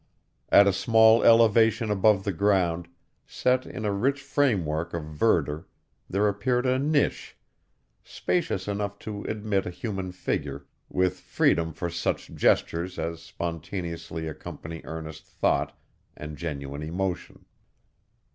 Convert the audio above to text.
At a small elevation above the ground, set in a rich framework of verdure, there appeared a niche, spacious enough to admit a human figure, with freedom for such gestures as spontaneously accompany earnest thought and genuine emotion.